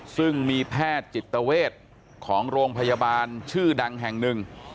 ซึ่งมีแพทย์จิตเวทของโรงพยาบาลชื่อดังแห่งหนึ่ง